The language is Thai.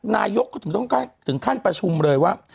นายกก็ถึงขั้นประชุมเลยว่า